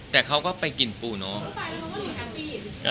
แต่เขาก็ไปกินปูน้อง